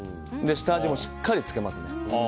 下味もしっかりつけます。